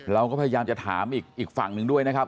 เราก็พยายามจะถามอีกฝั่งหนึ่งด้วยนะครับ